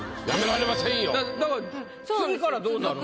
だから次からどうなるの？